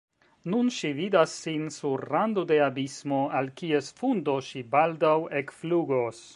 Nun ŝi vidas sin sur rando de abismo, al kies fundo ŝi baldaŭ ekflugos.